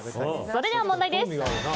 それでは、問題です。